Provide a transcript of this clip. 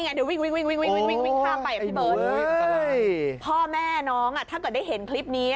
นี่ไงเดี๋ยววิ่งพ่อแม่น้องถ้าก็ได้เห็นคลิปนี้